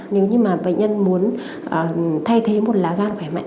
nếu như mà bệnh nhân muốn thay thế một lá gan khỏe mạnh